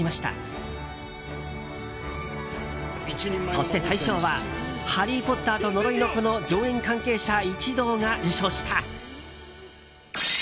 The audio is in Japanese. そして大賞は「ハリー・ポッターと呪いの子」の上演関係者一同が受賞した。